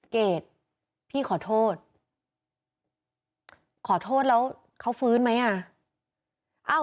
เกรดพี่ขอโทษขอโทษแล้วเขาฟื้นไหมอ่ะ